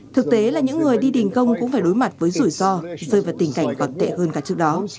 thực tế là những người đi đình công cũng phải đối mặt với rủi ro rơi vào tình cảnh còn tệ hơn cả trước đó